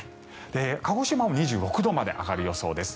鹿児島も２６度まで上がる予想です。